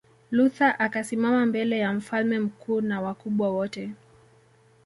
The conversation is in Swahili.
Luther akasimama mbele ya Mfalme mkuu na wakubwa wote